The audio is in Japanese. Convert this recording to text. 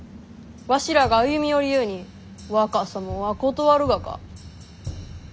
わしらが歩み寄りゆうに若様は断るがか？